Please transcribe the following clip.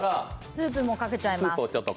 スープもかけちゃいます。